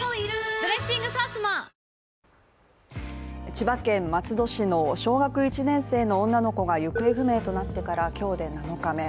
千葉県松戸市の小学１年生の女の子が行方不明となってから、今日で７日目。